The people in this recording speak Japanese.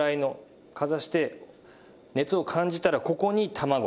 かざして熱を感じたらここに卵。